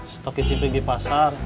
stok kecil pergi pasar